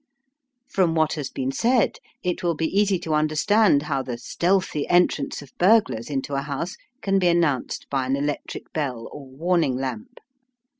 From what has been said, it will be easy to understand how the stealthy entrance of burglars into a house can be announced by an electric bell or warning lamp.